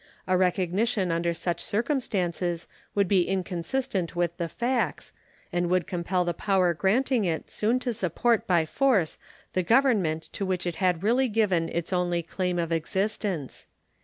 A recognition under such circumstances would be inconsistent with the facts, and would compel the power granting it soon to support by force the government to which it had really given its only claim of existence.